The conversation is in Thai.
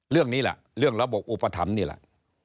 เรื่องนี้แหละเรื่องระบบอุปถัมภ์นี่แหละ